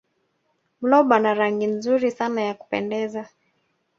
blob ana rangi nzuri sana ya kupendeza